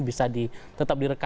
bisa tetap direkatkan